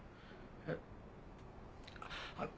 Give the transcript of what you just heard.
えっ。